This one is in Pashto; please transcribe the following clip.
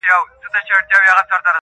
يوې نجلۍ ساعت کي څو رنگه رنگونه راوړل,